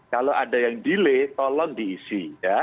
kalau ada yang delay tolong diisi